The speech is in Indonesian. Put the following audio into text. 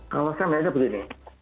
kalau saya melihatnya begini